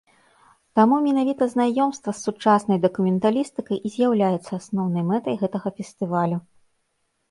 Таму менавіта знаёмства з сучаснай дакументалістыкай і з'яўляецца асноўнай мэтай гэтага фестывалю.